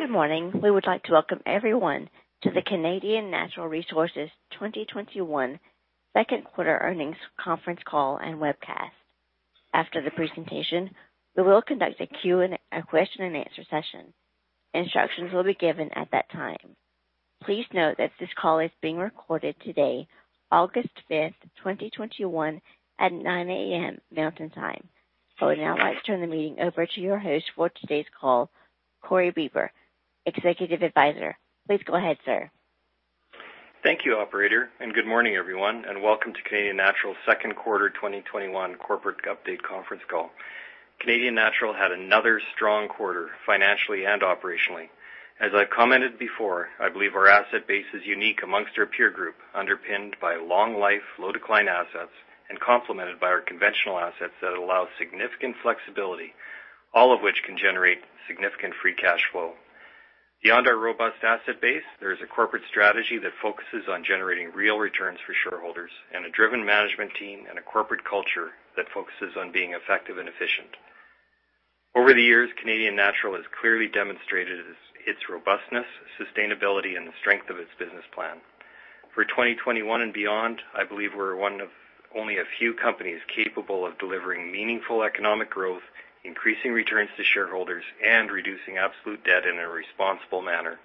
Good morning. We would like to welcome everyone to the Canadian Natural Resources 2021 second quarter earnings conference call and webcast. After the presentation, we will conduct a question and answer session. Instructions will be given at that time. Please note that this call is being recorded today, August 5th, 2021, at 9:00 A.M. Mountain Time. I would now like to turn the meeting over to your host for today's call, Corey Bieber, Executive Advisor. Please go ahead, sir. Thank you, operator. Good morning, everyone. Welcome to Canadian Natural's second quarter 2021 corporate update conference call. Canadian Natural had another strong quarter, financially and operationally. As I've commented before, I believe our asset base is unique amongst our peer group, underpinned by long life, low decline assets, and complemented by our conventional assets that allow significant flexibility, all of which can generate significant free cash flow. Beyond our robust asset base, there is a corporate strategy that focuses on generating real returns for shareholders and a driven management team and a corporate culture that focuses on being effective and efficient. Over the years, Canadian Natural has clearly demonstrated its robustness, sustainability, and the strength of its business plan. For 2021 and beyond, I believe we're one of only a few companies capable of delivering meaningful economic growth, increasing returns to shareholders, and reducing absolute debt in a responsible manner.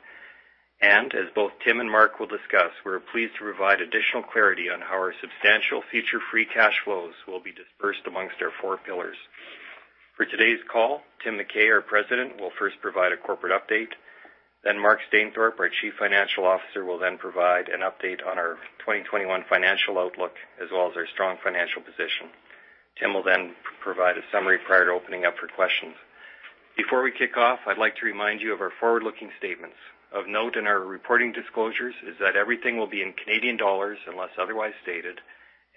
As both Tim and Mark will discuss, we're pleased to provide additional clarity on how our substantial future free cash flows will be dispersed amongst our four pillars. For today's call, Tim McKay, our President, will first provide a corporate update. Mark Stainthorpe, our Chief Financial Officer, will then provide an update on our 2021 financial outlook as well as our strong financial position. Tim will then provide a summary prior to opening up for questions. Before we kick off, I'd like to remind you of our forward-looking statements. Of note in our reporting disclosures is that everything will be in Canadian dollars unless otherwise stated,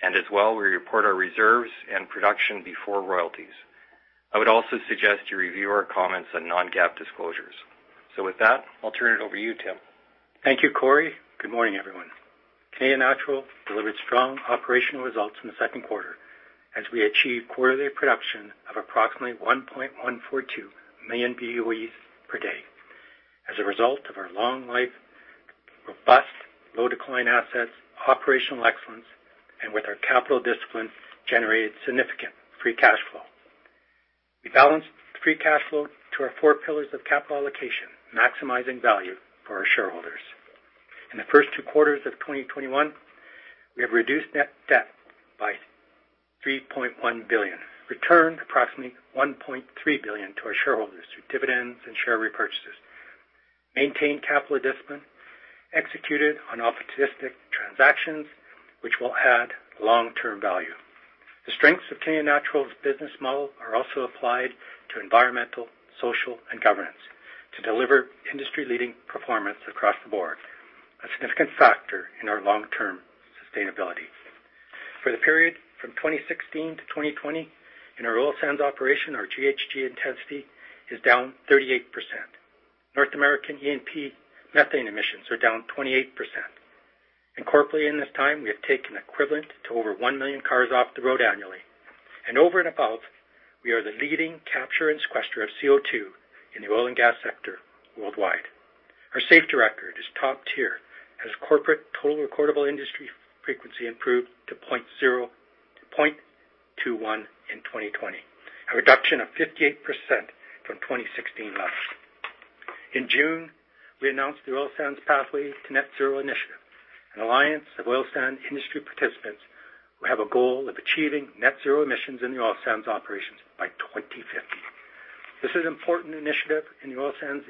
and as well, we report our reserves and production before royalties. I would also suggest you review our comments on non-GAAP disclosures. With that, I'll turn it over to you, Tim. Thank you, Corey. Good morning, everyone. Canadian Natural delivered strong operational results in the second quarter as we achieved quarterly production of approximately 1.142 million BOEs per day. As a result of our long life, robust, low decline assets, operational excellence, and with our capital discipline, generated significant free cash flow. We balanced free cash flow to our four pillars of capital allocation, maximizing value for our shareholders. In the first two quarters of 2021, we have reduced net debt by 3.1 billion, returned approximately 1.3 billion to our shareholders through dividends and share repurchases, maintained capital discipline, executed on opportunistic transactions, which will add long-term value. The strengths of Canadian Natural's business model are also applied to environmental, social, and governance to deliver industry-leading performance across the board, a significant factor in our long-term sustainability. For the period from 2016 to 2020, in our oil sands operation, our GHG intensity is down 38%. North American E&P methane emissions are down 28%. Corporately in this time, we have taken equivalent to over 1 million cars off the road annually. Over and above, we are the leading capture and sequester of CO2 in the oil and gas sector worldwide. Our safety record is top-tier as corporate total recordable injury frequency improved to 0.21 in 2020, a reduction of 58% from 2016 levels. In June, we announced the Oil Sands Pathway to Net Zero initiative, an alliance of oil sand industry participants who have a goal of achieving net zero emissions in the oil sands operations by 2050. This is an important initiative in the oil sands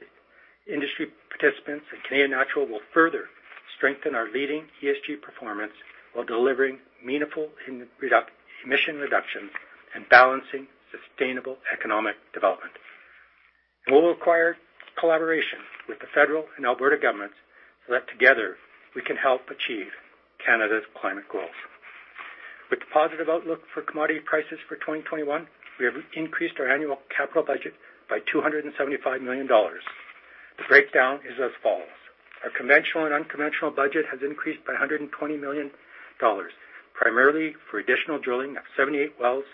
industry participants. Canadian Natural will further strengthen our leading ESG performance while delivering meaningful emission reductions and balancing sustainable economic development. It will require collaboration with the federal and Alberta governments that together we can help achieve Canada's climate goals. With the positive outlook for commodity prices for 2021, we have increased our annual capital budget by 275 million dollars. The breakdown is as follows. Our conventional and unconventional budget has increased by 120 million dollars, primarily for additional drilling of 78 wells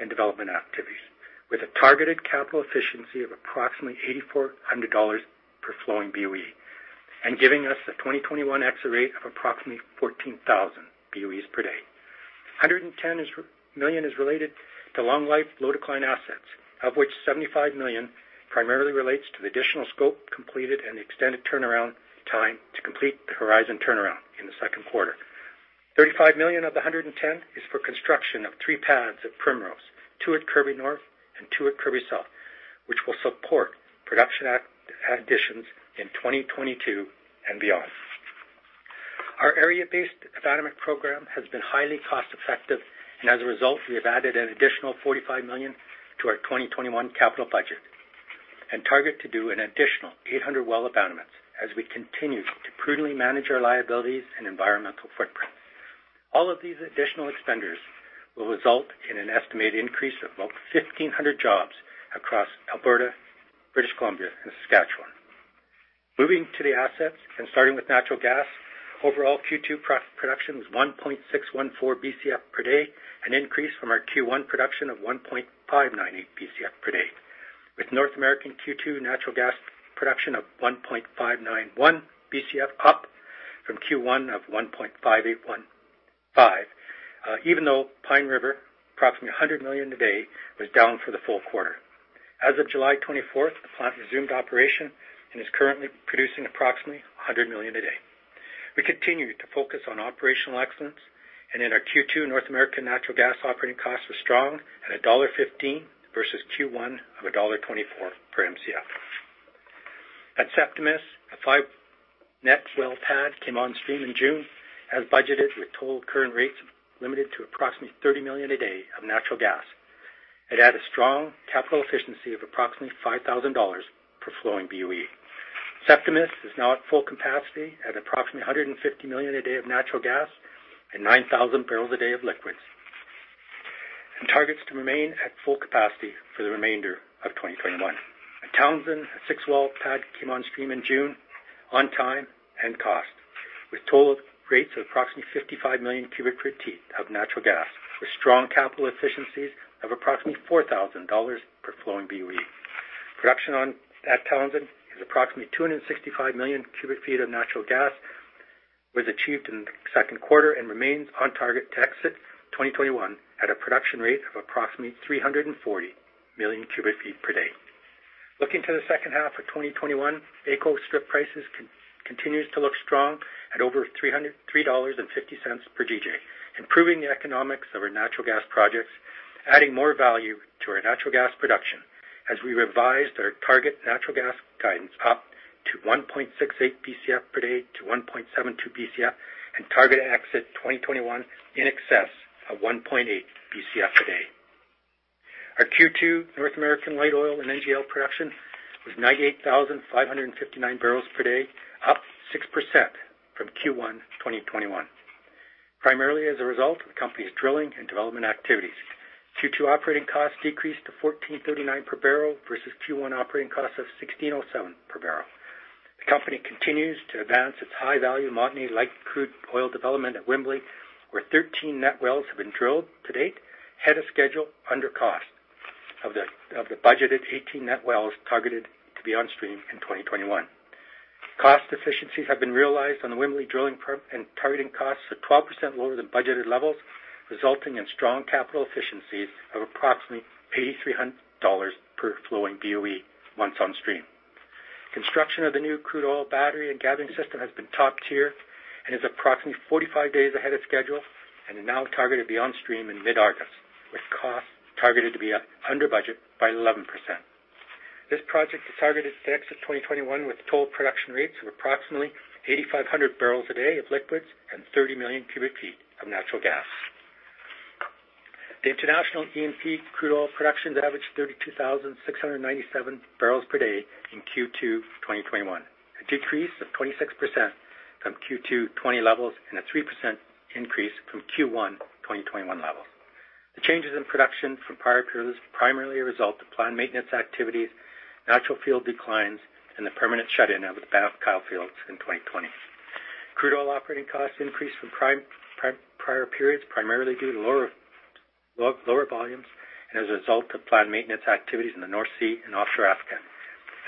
and development activities with a targeted capital efficiency of approximately 8,400 dollars per flowing BOE, giving us a 2021 exit rate of approximately 14,000 BOEs per day. 110 million is related to long life, low decline assets, of which 75 million primarily relates to the additional scope completed and extended turnaround time to complete the Horizon turnaround in the second quarter. 35 million of the 110 million is for construction of three pads at Primrose, two at Kirby North, and two at Kirby South, which will support production additions in 2022 and beyond. Our area-based abandonment program has been highly cost-effective, and as a result, we have added an additional 45 million to our 2021 capital budget and target to do an additional 800 well abandonments as we continue to prudently manage our liabilities and environmental footprint. All of these additional expenditures will result in an estimated increase of about 1,500 jobs across Alberta, British Columbia, and Saskatchewan. Moving to the assets and starting with natural gas. Overall, Q2 production was 1.614 Bcf per day, an increase from our Q1 production of 1.598 Bcf per day. With North American Q2 natural gas production of 1.591 Bcf, up from Q1 of 1.5815 Bcf. Even though Pine River, approximately 100 million a day, was down for the full quarter. As of July 24th, the plant resumed operation and is currently producing approximately 100 million a day. We continue to focus on operational excellence. In our Q2 North American natural gas operating costs were strong at CAD 1.15 versus Q1 of CAD 1.24 per Mcf. At Septimus, a five net well pad came on stream in June as budgeted, with total current rates limited to approximately 30 million a day of natural gas. It had a strong capital efficiency of approximately 5,000 dollars per flowing Boe. Septimus is now at full capacity at approximately 150 million a day of natural gas and 9,000 barrels a day of liquids. Targets to remain at full capacity for the remainder of 2021. At Townsend, a six-well pad came on stream in June on time and cost, with total rates of approximately 55 million c ft of natural gas with strong capital efficiencies of approximately 4,000 dollars per flowing BOE. Production at Townsend is approximately 265 million cu ft of natural gas, was achieved in the second quarter, and remains on target to exit 2021 at a production rate of approximately 340 million cu ft per day. Looking to the second half of 2021, AECO strip prices continues to look strong at over 3.50 dollars per GJ, improving the economics of our natural gas projects, adding more value to our natural gas production as we revised our target natural gas guidance up to 1.68 Bcf per day to 1.72 Bcf and target to exit 2021 in excess of 1.8 Bcf per day. Our Q2 North American light oil and NGL production was 98,559 barrels per day, up 6% from Q1 2021. Primarily as a result of the company's drilling and development activities. Q2 operating costs decreased to CAD 14.39 per barrel versus Q1 operating costs of CAD 16.07 per barrel. The company continues to advance its high-value Montney light crude oil development at Wembley, where 13 net wells have been drilled to date ahead of schedule under cost of the budgeted 18 net wells targeted to be on stream in 2021. Cost efficiencies have been realized on the Wembley drilling program and targeting costs are 12% lower than budgeted levels, resulting in strong capital efficiencies of approximately 8,300 dollars per flowing Boe once on stream. Construction of the new crude oil battery and gathering system has been top tier and is approximately 45 days ahead of schedule and is now targeted to be on stream in mid-August, with costs targeted to be under budget by 11%. This project is targeted to exit 2021 with total production rates of approximately 8,500 barrels a day of liquids and 30 million cu ft of natural gas. The international E&P crude oil production averaged 32,697 barrels per day in Q2 2021, a decrease of 26% from Q2 2020 levels and a 3% increase from Q1 2021 levels. The changes in production from prior periods primarily result of planned maintenance activities, natural field declines, and the permanent shut-in of the Banff and Kyle fields in 2020. Crude oil operating costs increased from prior periods, primarily due to lower volumes and as a result of planned maintenance activities in the North Sea and offshore Africa,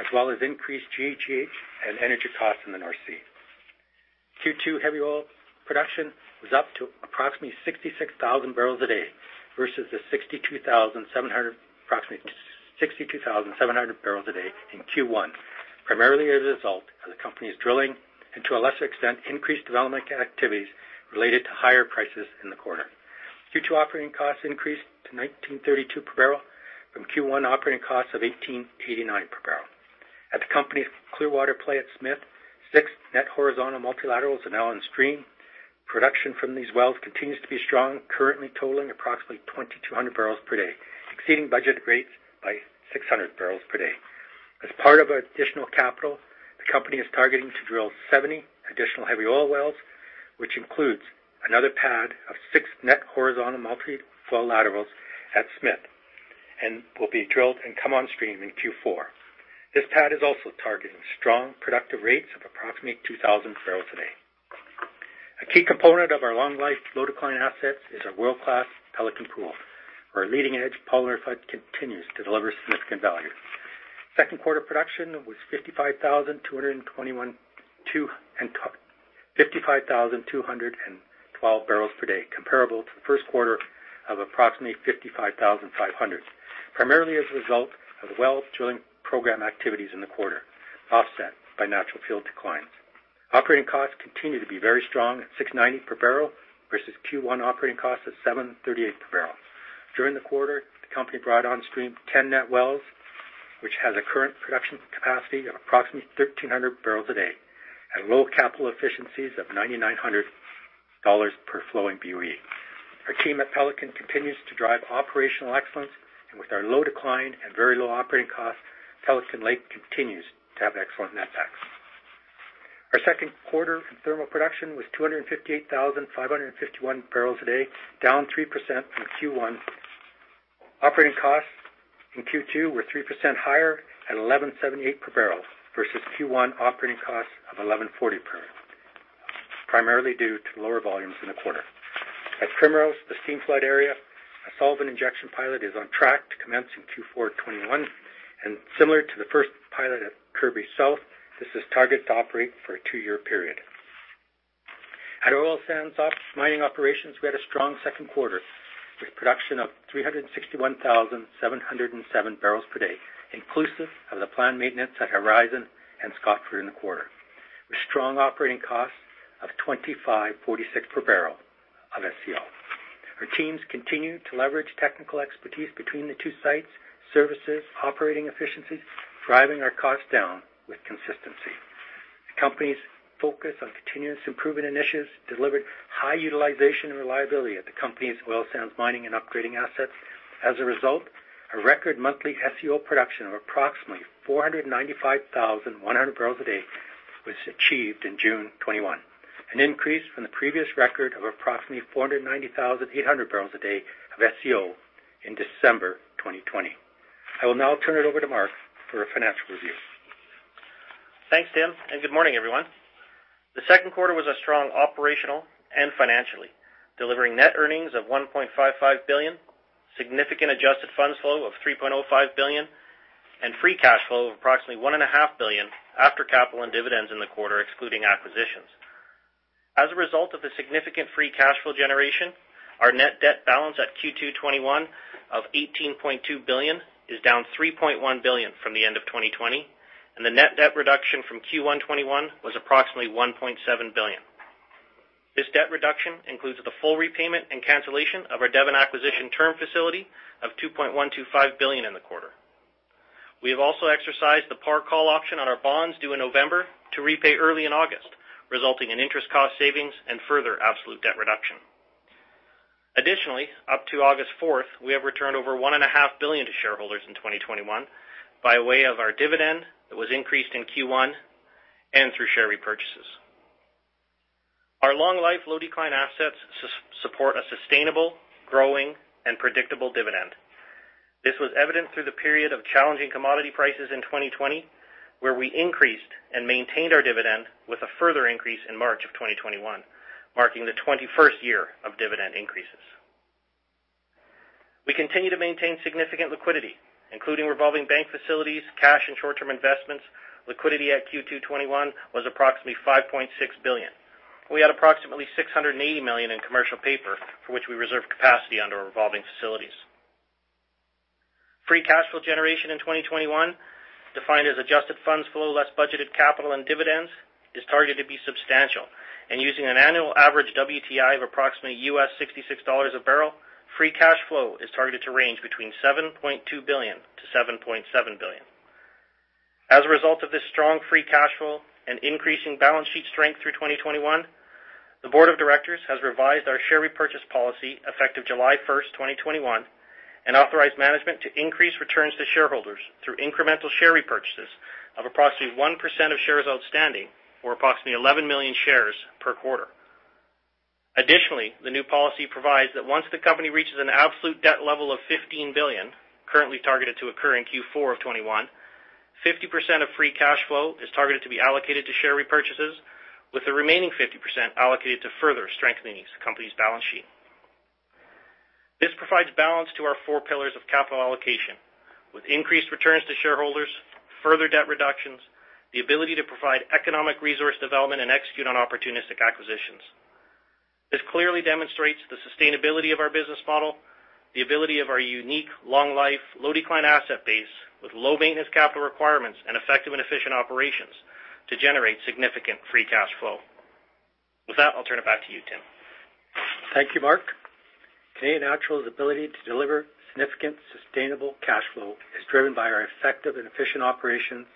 as well as increased GHG and energy costs in the North Sea. Q2 heavy oil production was up to approximately 66,000 barrels a day versus approximately 62,700 barrels a day in Q1, primarily as a result of the company's drilling and, to a lesser extent, increased development activities related to higher prices in the quarter. Q2 operating costs increased to 19.32 per barrel from Q1 operating costs of 18.89 per barrel. At the company's Clearwater play at Smith, six net horizontal multilaterals are now on stream. Production from these wells continues to be strong, currently totaling approximately 2,200 barrels per day, exceeding budget rates by 600 barrels per day. As part of our additional capital, the company is targeting to drill 70 additional heavy oil wells, which includes another pad of six net horizontal multi-flow laterals at Smith and will be drilled and come on stream in Q4. This pad is also targeting strong productive rates of approximately 2,000 barrels a day. A key component of our long life, low decline assets is our world-class Pelican pool, where our leading-edge polymer flood continues to deliver significant value. Second quarter production was 55,212 barrels per day, comparable to the first quarter of approximately 55,500, primarily as a result of the well drilling program activities in the quarter, offset by natural field declines. Operating costs continue to be very strong at 6.90 per barrel versus Q1 operating costs of 7.38 per barrel. During the quarter, the company brought on stream 10 net wells, which has a current production capacity of approximately 1,500 barrels a day at low capital efficiencies of 9,900 dollars per flowing BOE. Our team at Pelican continues to drive operational excellence, and with our low decline and very low operating costs, Pelican Lake continues to have excellent netbacks. Our second quarter from thermal production was 258,551 barrels a day, down 3% from Q1. Operating costs in Q2 were 3% higher at 1,178 per barrel versus Q1 operating costs of 1,140 per barrel, primarily due to lower volumes in the quarter. At Primrose, the steam flood area, a solvent injection pilot is on track to commence in Q4 2021. Similar to the first pilot at Kirby South, this is targeted to operate for a two-year period. At Oil Sands Operations mining operations, we had a strong second quarter with production of 361,707 barrels per day, inclusive of the planned maintenance at Horizon and Scotford in the quarter, with strong operating costs of 25.46 per barrel of SCO. Our teams continue to leverage technical expertise between the two sites, services, operating efficiencies, driving our costs down with consistency. The company's focus on continuous improvement initiatives delivered high utilization and reliability at the company's oil sands mining and upgrading assets. As a result, a record monthly SCO production of approximately 495,100 barrels a day was achieved in June 2021, an increase from the previous record of approximately 490,800 barrels a day of SCO in December 2020. I will now turn it over to Mark for a financial review. Thanks, Tim, and good morning, everyone. The second quarter was strong operational and financially, delivering net earnings of 1.55 billion, significant adjusted funds flow of 3.05 billion, and free cash flow of approximately 1.5 billion after capital and dividends in the quarter, excluding acquisitions. As a result of the significant free cash flow generation, our net debt balance at Q2 2021 of 18.2 billion is down 3.1 billion from the end of 2020, and the net debt reduction from Q1 2021 was approximately 1.7 billion. This debt reduction includes the full repayment and cancellation of our Devon acquisition term facility of 2.125 billion in the quarter. We have also exercised the par call option on our bonds due in November to repay early in August, resulting in interest cost savings and further absolute debt reduction. Additionally, up to August 4th, we have returned over 1.5 billion to shareholders in 2021 by way of our dividend that was increased in Q1 and through share repurchases. Our long life, low-decline assets support a sustainable, growing, and predictable dividend. This was evident through the period of challenging commodity prices in 2020, where we increased and maintained our dividend with a further increase in March of 2021, marking the 21st year of dividend increases. We continue to maintain significant liquidity, including revolving bank facilities, cash, and short-term investments. Liquidity at Q2 2021 was approximately 5.6 billion. We had approximately 680 million in commercial paper, for which we reserved capacity under our revolving facilities. Free cash flow generation in 2021, defined as adjusted funds flow less budgeted capital and dividends, is targeted to be substantial. Using an annual average WTI of approximately $66 a barrel, free cash flow is targeted to range between 7.2 billion-7.7 billion. As a result of this strong free cash flow and increasing balance sheet strength through 2021, the board of directors has revised our share repurchase policy effective July 1st, 2021, and authorized management to increase returns to shareholders through incremental share repurchases of approximately 1% of shares outstanding or approximately 11 million shares per quarter. Additionally, the new policy provides that once the company reaches an absolute debt level of 15 billion, currently targeted to occur in Q4 2021, 50% of free cash flow is targeted to be allocated to share repurchases, with the remaining 50% allocated to further strengthening the company's balance sheet. This provides balance to our four pillars of capital allocation. With increased returns to shareholders, further debt reductions, the ability to provide economic resource development, and execute on opportunistic acquisitions. This clearly demonstrates the sustainability of our business model, the ability of our unique long life, low-decline asset base with low maintenance capital requirements and effective and efficient operations to generate significant free cash flow. With that, I'll turn it back to you, Tim. Thank you, Mark. Canadian Natural's ability to deliver significant sustainable cash flow is driven by our effective and efficient operations,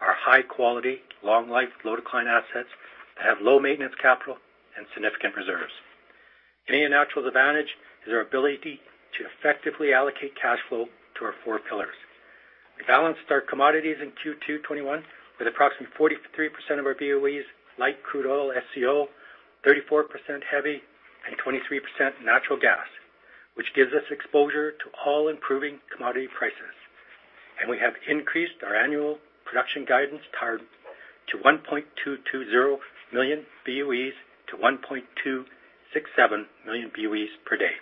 our high-quality, long life, low-decline assets that have low maintenance capital and significant reserves. Canadian Natural's advantage is our ability to effectively allocate cash flow to our four pillars. We balanced our commodities in Q2 2021 with approximately 43% of our BOEs, light crude oil, SCO, 34% heavy, and 23% natural gas, which gives us exposure to all improving commodity prices. We have increased our annual production guidance target to 1.220 million BOEs to 1.267 million BOEs per day.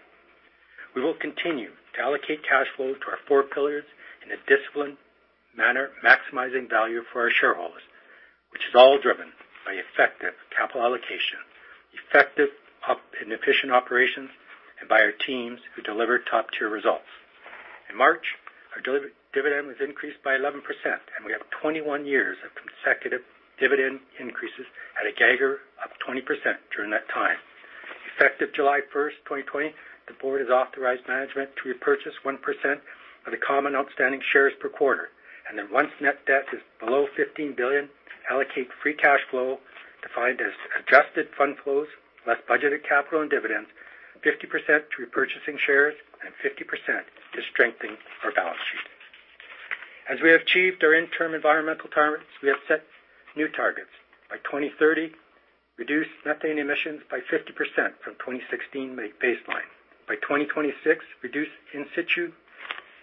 We will continue to allocate cash flow to our four pillars in a disciplined manner, maximizing value for our shareholders, which is all driven by effective capital allocation, effective and efficient operations, and by our teams who deliver top-tier results. In March, our dividend was increased by 11%. We have 21 years of consecutive dividend increases at a CAGR of 20% during that time. Effective July 1st, 2020, the board has authorized management to repurchase 1% of the common outstanding shares per quarter, and then once net debt is below 15 billion, allocate free cash flow, defined as adjusted fund flows, less budgeted CapEx and dividends, 50% to repurchasing shares and 50% to strengthening. As we have achieved our interim environmental targets, we have set new targets. By 2030, reduce methane emissions by 50% from 2016 baseline. By 2026, reduce in-situ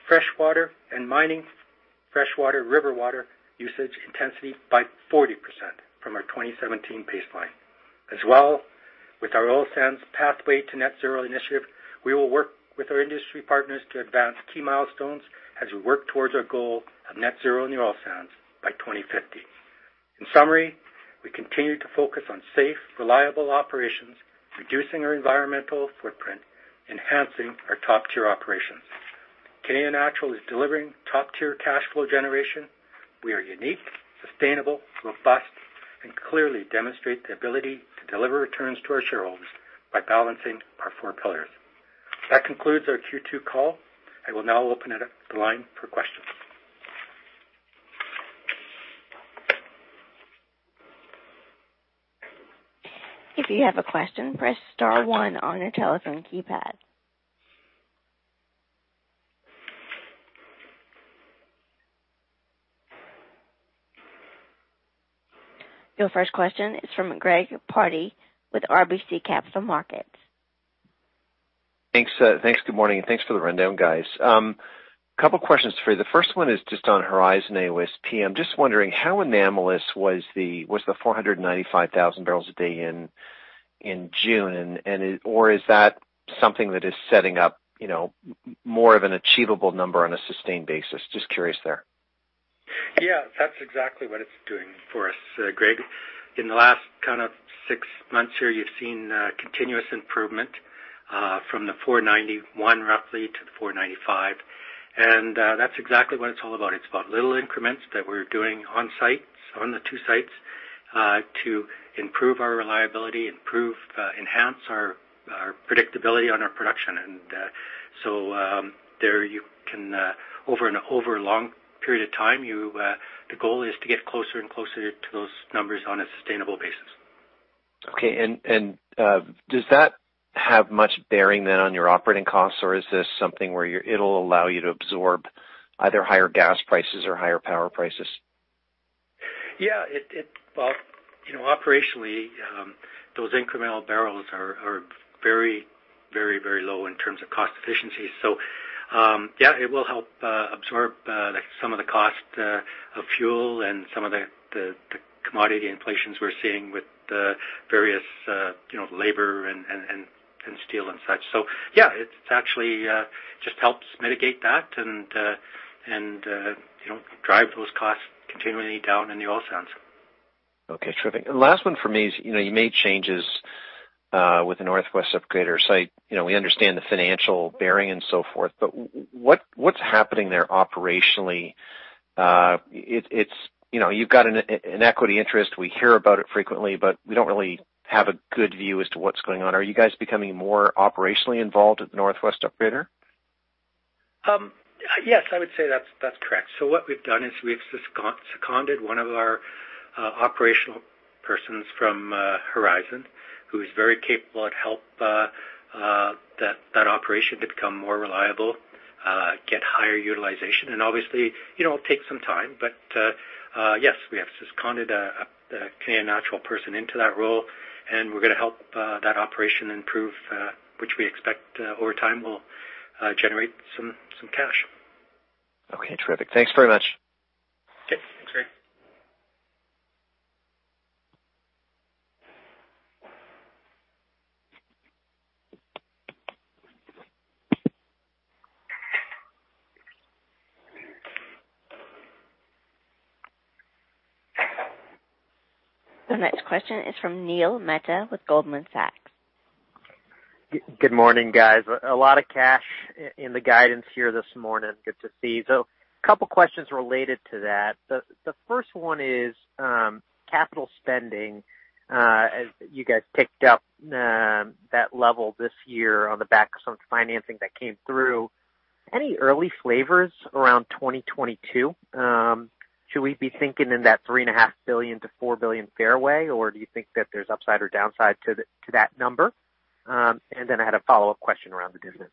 freshwater and mining freshwater river water usage intensity by 40% from our 2017 baseline. With our Oil Sands Pathways to Net Zero initiative, we will work with our industry partners to advance key milestones as we work towards our goal of net zero in the oil sands by 2050. In summary, we continue to focus on safe, reliable operations, reducing our environmental footprint, enhancing our top-tier operations. Canadian Natural is delivering top-tier cash flow generation. We are unique, sustainable, robust, and clearly demonstrate the ability to deliver returns to our shareholders by balancing our four pillars. That concludes our Q2 call. I will now open it up the line for questions. If you have a question, press star one on your telephone keypad. Your first question is from Greg Pardy with RBC Capital Markets. Thanks. Good morning, and thanks for the rundown, guys. Couple questions for you. The first one is just on Horizon AOSP. I'm just wondering how anomalous was the 495,000 barrels a day in June, or is that something that is setting up more of an achievable number on a sustained basis? Just curious there. Yeah, that's exactly what it's doing for us, Greg. In the last six months here, you've seen continuous improvement from the 491,000 roughly to the 495,000 and that's exactly what it's all about. It's about little increments that we're doing on site, on the two sites, to improve our reliability, enhance our predictability on our production. There you can over a long period of time, the goal is to get closer and closer to those numbers on a sustainable basis. Okay. Does that have much bearing then on your operating costs, or is this something where it'll allow you to absorb either higher gas prices or higher power prices? Yeah. Operationally, those incremental barrels are very low in terms of cost efficiency. Yeah, it will help absorb some of the cost of fuel and some of the commodity inflations we're seeing with various labor and steel and such. Yeah, it actually just helps mitigate that and drive those costs continually down in the Oil Sands. Okay, terrific. Last one for me is, you made changes with the North West Upgrader site. We understand the financial bearing and so forth, but what's happening there operationally? You've got an equity interest. We hear about it frequently, but we don't really have a good view as to what's going on. Are you guys becoming more operationally involved at the North West Upgrader? Yes, I would say that's correct. What we've done is we've seconded one of our operational persons from Horizon, who is very capable, to help that operation to become more reliable, get higher utilization. Obviously, it'll take some time, but, yes, we have seconded a Canadian Natural person into that role, and we're going to help that operation improve, which we expect over time will generate some cash. Okay, terrific. Thanks very much. Okay, thanks, Greg. The next question is from Neil Mehta with Goldman Sachs. Good morning, guys. A lot of cash in the guidance here this morning. Good to see. Couple questions related to that. The first one is capital spending. As you guys picked up that level this year on the back of some financing that came through, any early flavors around 2022? Should we be thinking in that 3.5 billion-4 billion fairway, or do you think that there's upside or downside to that number? I had a follow-up question around the business.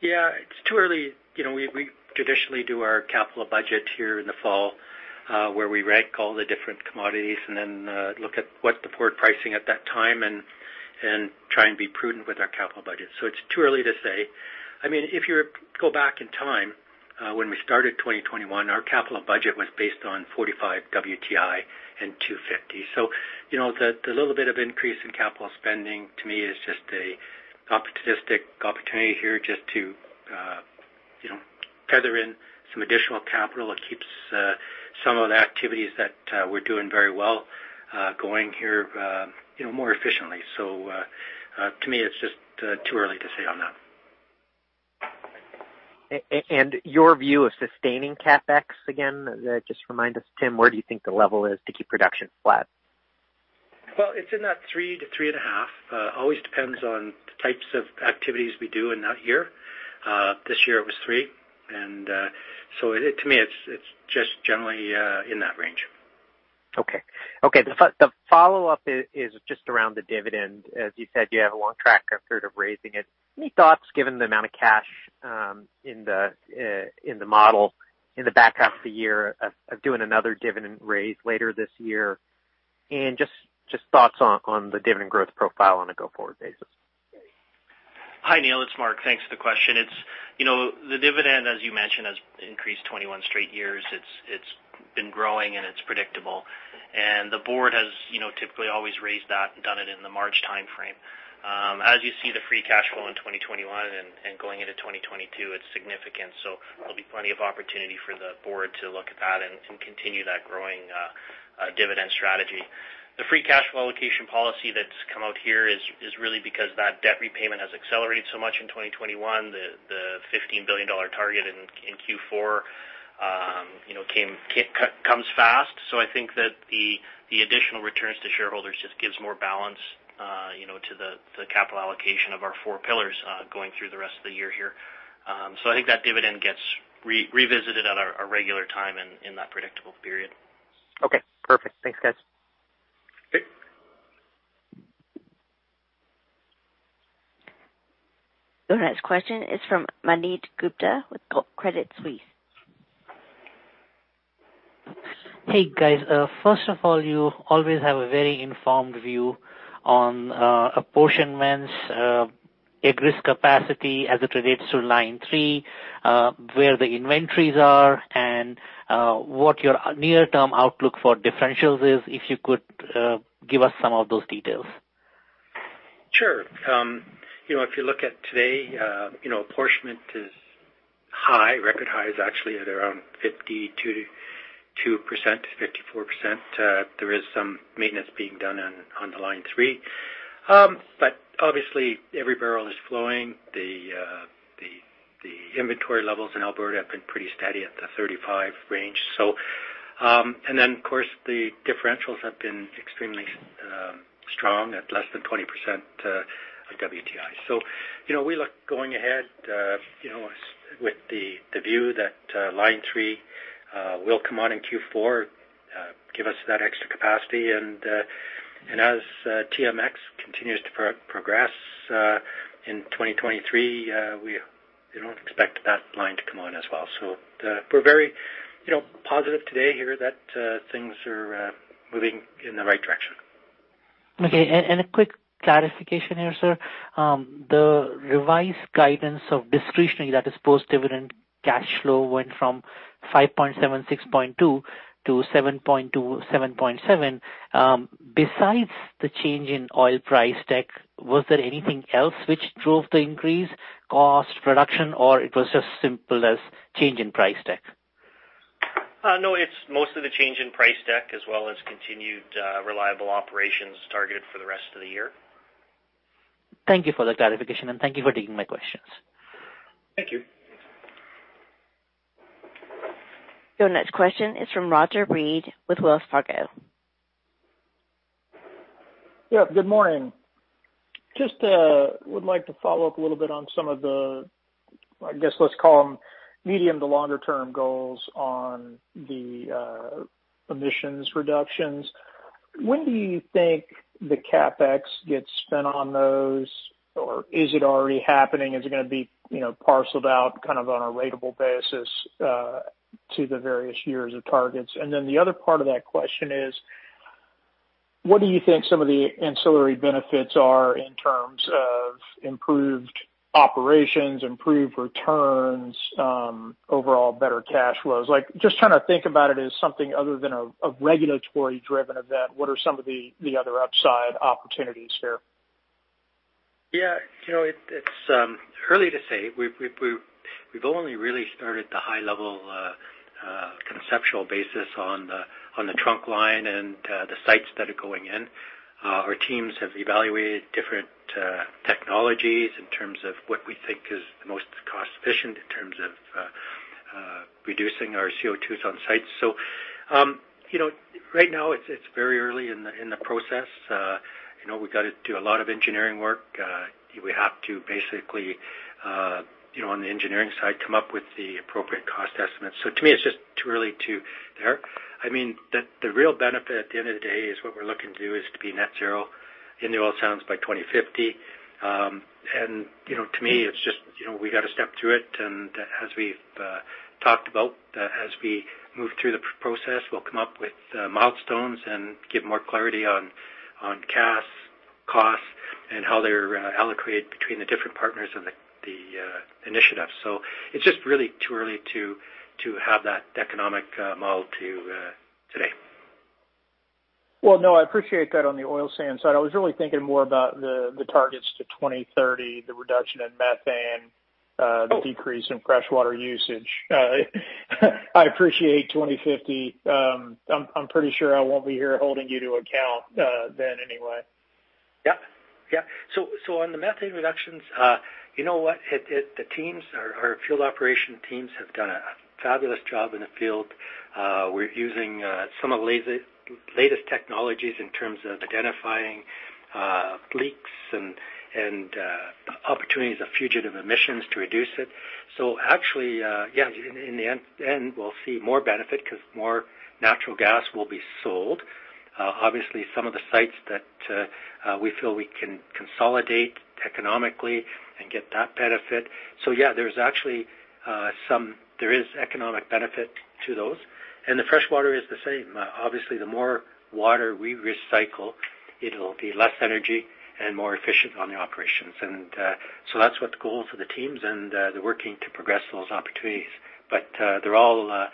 Yeah, it's too early. We traditionally do our capital budget here in the fall, where we rank all the different commodities and then look at what's the forward pricing at that time and try and be prudent with our capital budget. It's too early to say. If you go back in time, when we started 2021, our capital budget was based on $45 WTI and 250. The little bit of increase in capital spending to me is just a opportunistic opportunity here just to tether in some additional capital that keeps some of the activities that we're doing very well going here more efficiently. To me, it's just too early to say on that. Your view of sustaining CapEx again? Just remind us, Tim, where do you think the level is to keep production flat? Well, it's in that 3-3.5. Always depends on the types of activities we do in that year. This year it was 3, and so to me, it's just generally in that range. Okay. The follow-up is just around the dividend. As you said, you have a long track record of raising it. Any thoughts, given the amount of cash in the model in the back half of the year of doing another dividend raise later this year? Just thoughts on the dividend growth profile on a go-forward basis. Hi, Neil, it's Mark. Thanks for the question. The dividend, as you mentioned, has increased 21 straight years. It's been growing, and it's predictable. The board has typically always raised that and done it in the March timeframe. As you see, the free cash flow in 2021 and going into 2022, it's significant. There'll be plenty of opportunity for the board to look at that and continue that growing dividend strategy. The free cash flow allocation policy that's come out here is really because that debt repayment has accelerated so much in 2021. The 15 billion dollar target in Q4 comes fast. I think that the additional returns to shareholders just gives more balance to the capital allocation of our four pillars going through the rest of the year here. I think that dividend gets revisited at our regular time in that predictable period. Okay, perfect. Thanks, guys. Okay. Your next question is from Manav Gupta with Credit Suisse. Hey, guys. First of all, you always have a very informed view on apportionments, at-risk capacity as it relates to Line 3, where the inventories are, and what your near-term outlook for differentials is. If you could give us some of those details. Sure. If you look at today, apportionment is high, record highs actually at around 52%-54%. There is some maintenance being done on the Line 3. Obviously, every barrel is flowing. The inventory levels in Alberta have been pretty steady at the 35 range. Then, of course, the differentials have been extremely strong at less than 20% of WTI. We look going ahead with the view that Line 3 will come on in Q4, give us that extra capacity. As TMX continues to progress in 2023, we don't expect that line to come on as well. We're very positive today here that things are moving in the right direction. Okay, a quick clarification here, sir. The revised guidance of discretionary, that is post-dividend cash flow went from 5.7 billion-6.2 billion to 7.2 billion-7.7 billion. Besides the change in oil price deck, was there anything else which drove the increase, cost reduction, or it was just simple as change in price deck? No, it's mostly the change in price deck as well as continued reliable operations targeted for the rest of the year. Thank you for the clarification, and thank you for taking my questions. Thank you. Your next question is from Roger Read with Wells Fargo. Yeah, good morning. Just would like to follow up a little bit on some of the, I guess let's call them medium to longer term goals on the emissions reductions. When do you think the CapEx gets spent on those? Or is it already happening? Is it going to be parceled out on a ratable basis to the various years of targets? The other part of that question is, what do you think some of the ancillary benefits are in terms of improved operations, improved returns, overall better cash flows? Just trying to think about it as something other than a regulatory-driven event. What are some of the other upside opportunities there? Yeah. It's early to say. We've only really started the high-level conceptual basis on the trunk line and the sites that are going in. Our teams have evaluated different technologies in terms of what we think is the most cost-efficient in terms of reducing our CO2s on site. Right now it's very early in the process. We've got to do a lot of engineering work. We have to basically, on the engineering side, come up with the appropriate cost estimates. To me, it's just too early. I mean, the real benefit at the end of the day is what we're looking to do is to be net zero in the oil sands by 2050. To me, we got to step through it. As we've talked about, as we move through the process, we'll come up with milestones and give more clarity on CapEx, costs, and how they're allocated between the different partners in the initiative. It's just really too early to have that economic model to you today. Well, no, I appreciate that on the Oil Sands side. I was really thinking more about the targets to 2030, the reduction in methane, the decrease in freshwater usage. I appreciate 2050. I'm pretty sure I won't be here holding you to account then anyway. Yeah. On the methane reductions, you know what? Our field operation teams have done a fabulous job in the field. We're using some of the latest technologies in terms of identifying leaks and opportunities of fugitive emissions to reduce it. Actually, yeah, in the end, we'll see more benefit because more natural gas will be sold. Obviously, some of the sites that we feel we can consolidate economically and get that benefit. Yeah, there is economic benefit to those. The fresh water is the same. Obviously, the more water we recycle, it'll be less energy and more efficient on the operations. That's what the goal for the teams, and they're working to progress those opportunities. They're all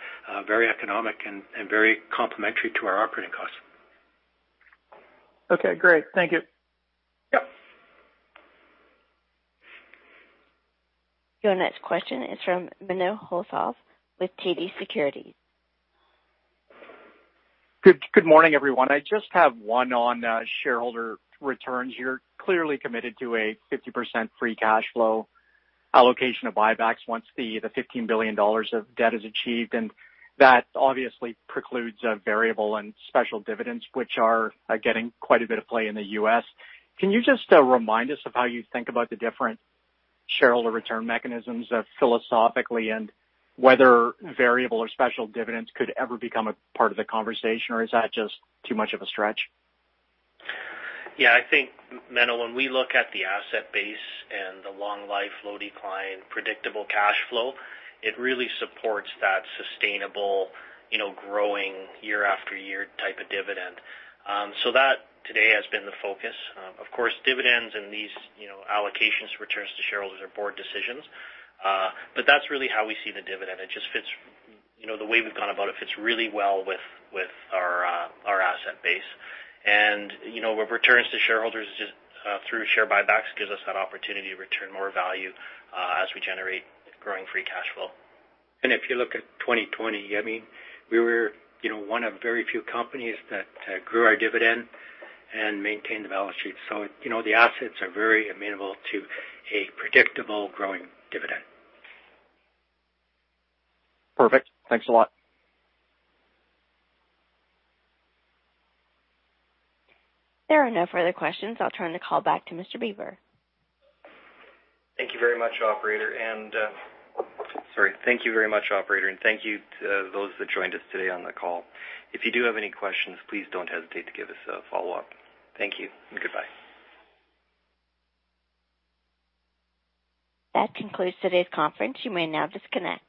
very economic and very complementary to our operating costs. Okay, great. Thank you. Yep. Your next question is from Menno Hulshof with TD Securities. Good morning, everyone. I just have one on shareholder returns. You're clearly committed to a 50% free cash flow allocation of buybacks once the 15 billion dollars of debt is achieved, and that obviously precludes variable and special dividends, which are getting quite a bit of play in the U.S. Can you just remind us of how you think about the different shareholder return mechanisms philosophically, and whether variable or special dividends could ever become a part of the conversation, or is that just too much of a stretch? I think, Menno, when we look at the asset base and the long life, low decline, predictable cash flow, it really supports that sustainable, growing year after year type of dividend. Of course, dividends and these allocations, returns to shareholders are board decisions. That's really how we see the dividend. The way we've gone about it fits really well with our asset base. With returns to shareholders just through share buybacks gives us that opportunity to return more value as we generate growing free cash flow. If you look at 2020, we were one of very few companies that grew our dividend and maintained the balance sheet. The assets are very amenable to a predictable growing dividend. Perfect. Thanks a lot. There are no further questions. I'll turn the call back to Mr. Bieber. Thank you very much, operator, and thank you to those that joined us today on the call. If you do have any questions, please don't hesitate to give us a follow-up. Thank you and goodbye. That concludes today's conference. You may now disconnect.